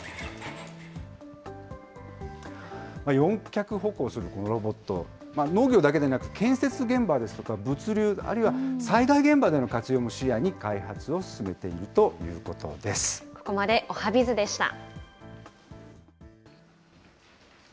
４脚歩行するこのロボット、農業だけでなく、建設現場ですとか、物流、あるいは災害現場での活用も視野に開発を進めているということでここまでおはＢｉｚでした。